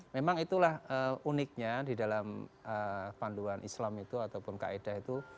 memang itulah uniknya di dalam panduan islam itu ataupun kaedah itu